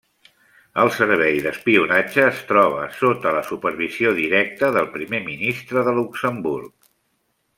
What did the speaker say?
El servei d'espionatge es troba sota la supervisió directa del Primer Ministre de Luxemburg.